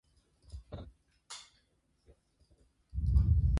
Again Aya must fight.